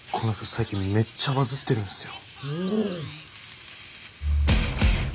最近めっちゃバズってるんですよ。